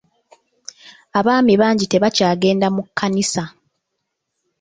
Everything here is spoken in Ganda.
Abaami bangi tebakyagenda mu kkanisa.